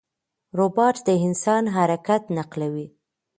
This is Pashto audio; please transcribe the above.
روباټ د انسان حرکت نقلوي.